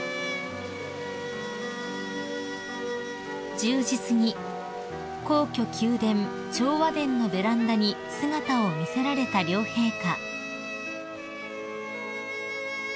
［１０時すぎ皇居宮殿長和殿のベランダに姿を見せられた両陛下］